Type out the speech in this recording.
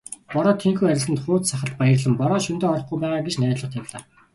Бороо тийнхүү арилсанд хууз сахалт баярлан "Бороо шөнөдөө орохгүй байгаа" гэж найдлага тавилаа.